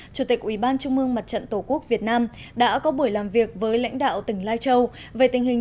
chủ tịch ubnd tổ quốc việt nam đã có buổi làm việc với lãnh đạo tỉnh lai châu về tình hình